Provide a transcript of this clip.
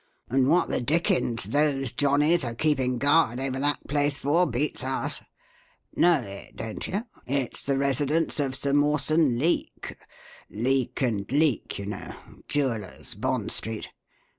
And what the dickens those johnnies are keeping guard over that place for beats us. Know it, don't you? It's the residence of Sir Mawson Leake Leake & Leake, you know: Jewellers, Bond Street.